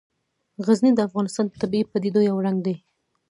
غزني د افغانستان د طبیعي پدیدو یو رنګ دی.